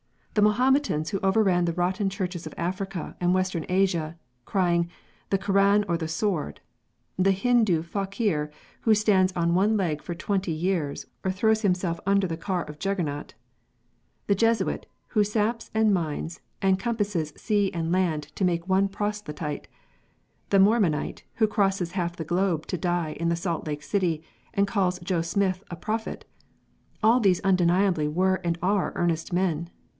The Mohametans who overran the rotten Churches of Africa and Western Asia, crying, " the Koran or the sword," the Hindoo Fakir who stands on one leg for twenty years, or throws himself under the car of Juggernaut, the Jesuit, who saps and mines, and compasses sea and land to make one proselyte, the Mormonite, who crosses half the globe to die in the Salt Lake City, and calls Joe Smith a prophet, all these undeniably were and are earnest men.